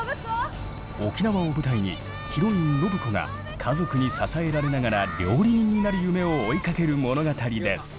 沖縄を舞台にヒロイン暢子が家族に支えられながら料理人になる夢を追いかける物語です。